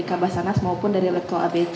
kambah sanas maupun dari letko abc